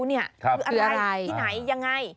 คืออะไรที่ไหนยังไง